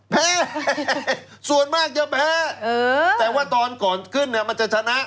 แพ้ส่วนมากจะแพ้แต่ว่าตอนก่อนขึ้นเนี่ยมันจะชนะ